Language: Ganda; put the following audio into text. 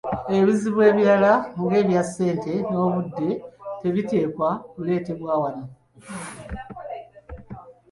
Ebizibu ebirala nga ebya ssente, n’obudde tebiteekwa kuleetebwa wano.